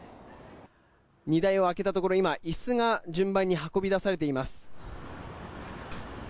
荷台を開けたところ今、椅子が順番に運び出されています。